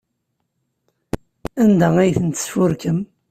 Anda ay ten-tesfurkem?